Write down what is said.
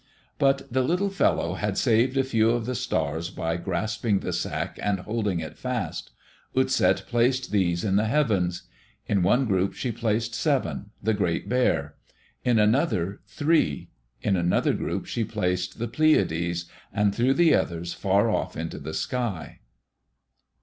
But the little fellow had saved a few of the stars by grasping the sack and holding it fast. Utset placed these in the heavens. In one group she placed seven the great bear. In another, three. In another group she placed the Pleiades, and threw the others far off into the sky.